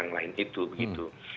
yang lain itu begitu